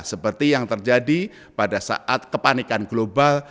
seperti yang terjadi pada saat kepanikan global